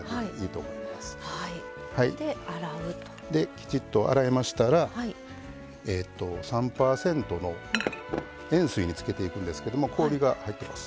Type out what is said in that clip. きちっと洗えましたら３％の塩水につけていくんですけども氷が入っています。